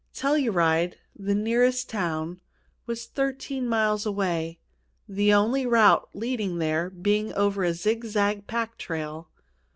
Telluride, the nearest town, was thirteen miles away, the only route leading there being over a zigzag pack trail.